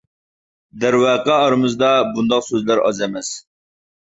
دەرۋەقە ئارىمىزدا بۇنداق سۆزلەر ئاز ئەمەس.